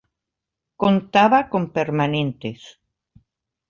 Contaba con permanentes.